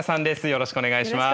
よろしくお願いします。